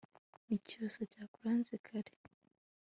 n'icyusa cyakuranze kare